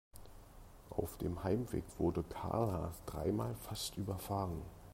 Auf dem Heimweg wurde Karla dreimal fast überfahren.